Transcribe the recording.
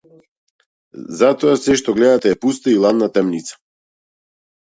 Затоа сѐ што гледате е пуста и ладна темница.